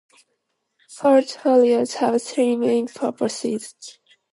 Portfolios have three main purposes.